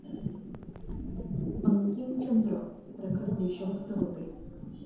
बंकिमचंद्र प्रखर देशभक्त होते.